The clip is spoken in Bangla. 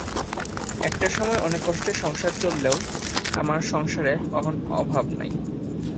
একটা সময় অনেক কষ্টে সংসার চললেও আমার সংসারে অহন অভাব নাই।